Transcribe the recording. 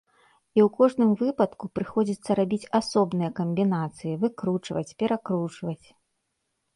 І ў кожным выпадку прыходзіцца рабіць асобныя камбінацыі, выкручваць, перакручваць.